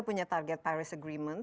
punya target paris agreement